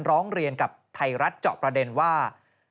ร้องเรียนกับไทยรัฐเจาะประเด็นว่า